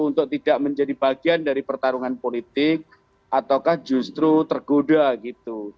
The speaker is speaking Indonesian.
untuk tidak menjadi bagian dari pertarungan politik ataukah justru tergoda gitu